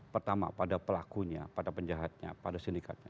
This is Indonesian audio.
pertama pada pelakunya pada penjahatnya pada sindikatnya